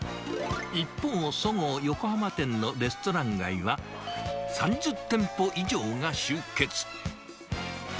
一方、そごう横浜店のレストラン街は、３０店舗以上が集結。